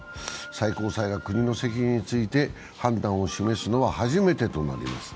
最高裁が国の責任について判断を示すのは初めてとなります。